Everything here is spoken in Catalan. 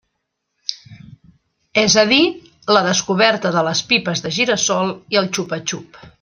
És a dir la descoberta de les pipes de gira-sol i el xupa-xup.